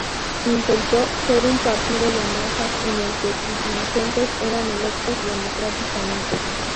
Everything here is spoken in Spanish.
Intentó ser un partido de masas en el que sus dirigentes eran electos democráticamente.